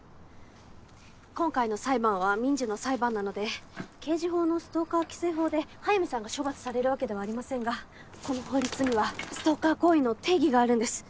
今回の裁判は民事の裁判なので刑事法のストーカー規制法で速水さんが処罰される訳ではありませんがこの法律にはストーカー行為の定義があるんです。